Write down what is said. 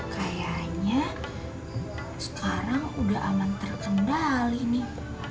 kayaknya sekarang udah aman terkendali nih